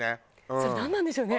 それなんなんでしょうね？